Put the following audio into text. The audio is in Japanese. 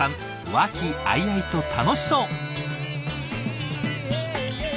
和気あいあいと楽しそう！